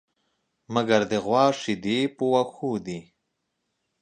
مگر د غوا شيدې په وښو دي.